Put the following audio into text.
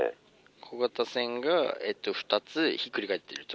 小型船が２つひっくり返っていると。